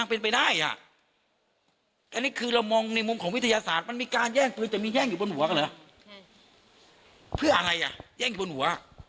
เพื่ออะไรอ่ะแย่งบนหัว